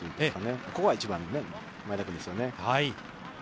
ここが１番の前田君ですよね。